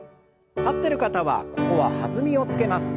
立ってる方はここは弾みをつけます。